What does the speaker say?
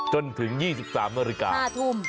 จนถึง๒๓นาฬิกา๕ทุ่ม